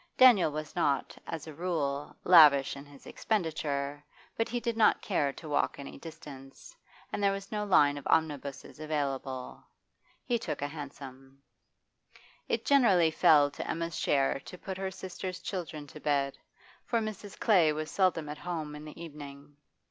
Daniel was not, as a rule, lavish in his expenditure, but he did not care to walk any distance, and there was no line of omnibuses available. He took a hansom. It generally fell to Emma's share to put her sister's children to bed, for Mrs. Clay was seldom at home in the evening.